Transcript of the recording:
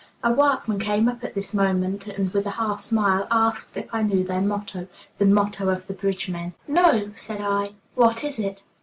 A workman came up at this moment, and, with a half smile, asked if I knew their motto, the motto of the bridge men. "No," said I; "what is it?"